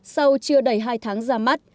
sau chưa đầy hai tháng ra mắt